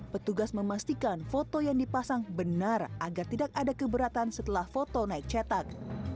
petugas memastikan foto yang dipasang benar agar tidak ada keberatan setelah foto naik cetak